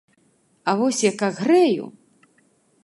А вось як агрэю!